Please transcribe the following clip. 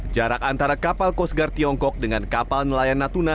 jarak antara kapal coast guard tiongkok dengan kapal nelayan natuna